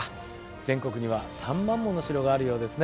全国には３万もの城があるようですね。